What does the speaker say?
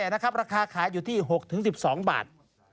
ราคาขายอยู่ที่๖๑๒บาท